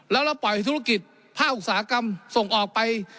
แล้วเราปล่อยธุรกิจภาคอุตสาหกรรมส่งออกไป